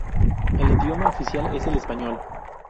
El idioma oficial es el español.